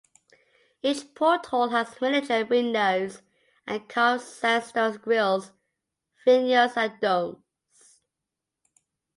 Each porthole has miniature windows and carved sandstone grills, finials and domes.